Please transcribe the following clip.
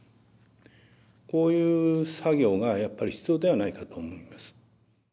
こういう作業がやっぱり必要ではないかと思います。